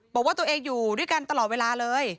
บอกว่าตัวเองอยู่ด้วยกันตลอดเวลาเลย